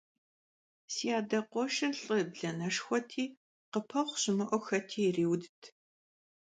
Si ade khueşşır lh'ı blaneşşxueti, khıpexhu şımı'eu xeti yiriudt.